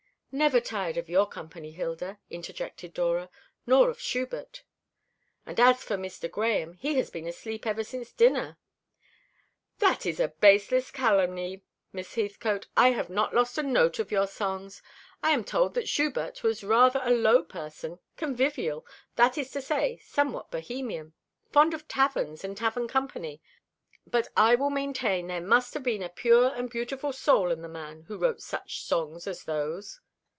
"Never tired of your company, Hilda," interjected Dora. "Nor of Schubert." "And as for Mr. Grahame, he has been asleep ever since dinner." "That is a baseless calumny, Miss Heathcote. I have not lost a note of your songs. I am told that Schubert was rather a low person convivial, that is to say somewhat Bohemian; fond of taverns and tavern company. But I will maintain there must have been a pure and beautiful soul in the man who wrote such songs as those."